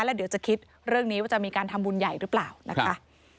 แล้วเดี๋ยวจะคิดเรื่องนี้ว่าจะมีการทำบุญใหญ่หรือเปล่านะคะ